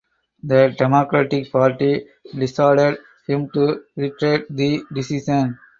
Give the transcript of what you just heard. The Democratic Party dissuaded him to retract the decision.